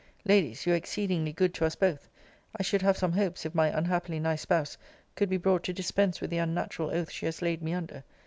Ladies, you are exceedingly good to us both. I should have some hopes, if my unhappily nice spouse could be brought to dispense with the unnatural oath she has laid me under.